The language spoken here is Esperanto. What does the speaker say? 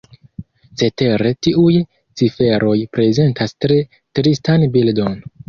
Certe tiuj ciferoj prezentas tre tristan bildon.